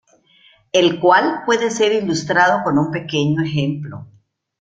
El cual puede ser ilustrado con un pequeño ejemplo.